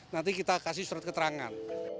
nanti kita kasih surat keterangan